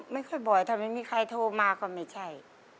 ไม่ค่อยบ่อยถ้าไม่มีใครโทรมาก็ไม่ใช่